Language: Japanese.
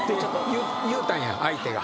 言うたんや相手が。